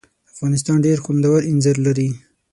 افغانستان ډېر خوندور اینځر لري.